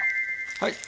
はい。